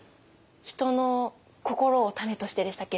「人の心を種として」でしたっけ。